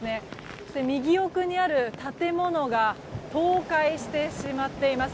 そして右奥にある建物が倒壊してしまっています。